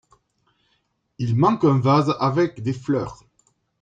Il manque un vase avec des fleurs.